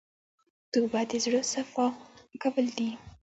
توبه د زړه صفا کول دي.